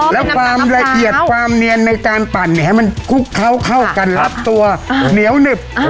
แล้วความละเอียดความเนียนในการปั่นเนี่ยให้มันคุกเข้ากันรับตัวเหนียวหนึบ